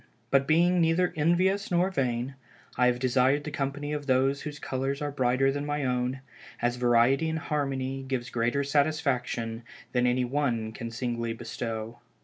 But being neither envious nor vain, I have desired the company of those whose colors are brighter than my own, as variety in harmony gives greater satisfaction than any one can singly bestow.